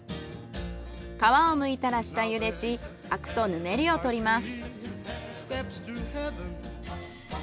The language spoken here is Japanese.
皮をむいたら下ゆでしアクとぬめりを取ります。